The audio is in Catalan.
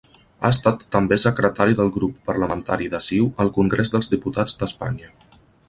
Ha estat també Secretari del Grup Parlamentari de CiU al Congrés dels Diputats d'Espanya.